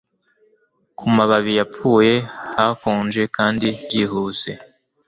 Ku mababi yapfuye hakonje kandi byihuse